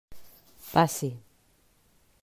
Passi.